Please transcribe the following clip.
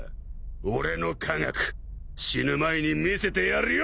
俺の科学死ぬ前に見せてやるよ